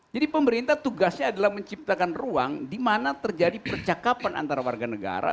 jadi pemerintah tugasnya adalah menciptakan ruang di mana terjadi percakapan antara warga negara